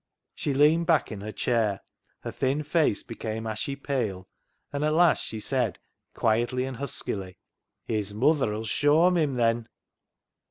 She leaned back in her chair, her thin face became ashy pale, and at last she said, quietly and huskily —" His muther 'ull shawm [shame] him, then